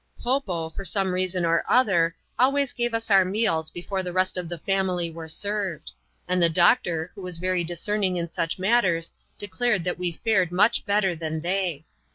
Po Po, for some reason or other, always gave us our meals before the rest of the family were served ; and the doctor, who was very discerning in such matters, declared that we fared much better than they.